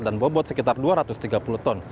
dan bobot sekitar dua ratus tiga puluh ton